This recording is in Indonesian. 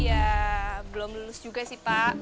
iya belum lulus juga sih pak